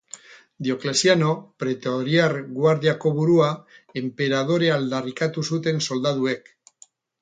Diokleziano, Pretoriar Guardiako burua, enperadore aldarrikatu zuten soldaduek.